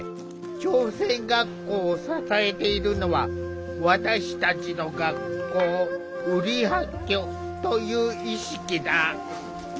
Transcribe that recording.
朝鮮学校を支えているのは「私たちの学校」「ウリハッキョ」という意識だ。